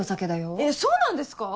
えっそうなんですか？